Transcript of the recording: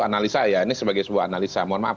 analisa ya ini sebagai sebuah analisa mohon maaf